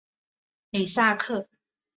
吕萨克。